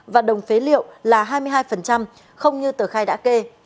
và đồng phế liệu là hai mươi hai không như tờ khai đã kê